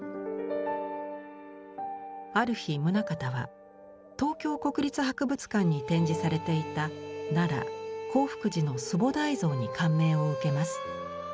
ある日棟方は東京国立博物館に展示されていた奈良興福寺の須菩提像に感銘を受けます。